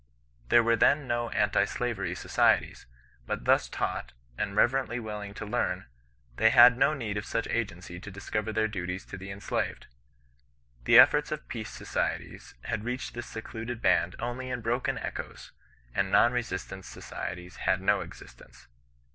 There were then no anti slavery societies; but thus taught, and reverently willing to learn, they had no need of such agency to discover their duties to the enslaved. The efforts of peace socie ties had reached this secluded band only in broken echoes ; and non resistance societies had no existence.